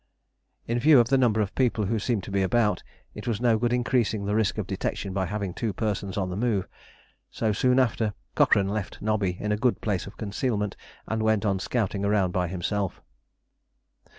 In view of the number of people who seemed to be about it was no good increasing the risk of detection by having two persons on the move; so, soon after, Cochrane left Nobby in a good place of concealment, and went on scouting around by himself.